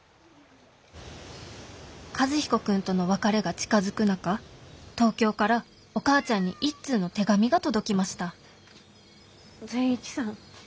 和彦君との別れが近づく中東京からお母ちゃんに一通の手紙が届きました善一さん。